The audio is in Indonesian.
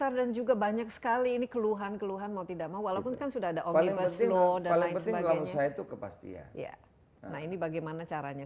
orang juga bagaimana